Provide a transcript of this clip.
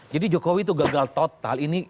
jadi jokowi itu gagal total